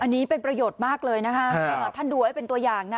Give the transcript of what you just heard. อันนี้เป็นประโยชน์มากเลยนะคะท่านดูให้เป็นตัวอย่างนะ